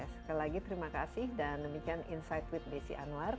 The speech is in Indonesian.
sekali lagi terima kasih dan demikian insight with desi anwar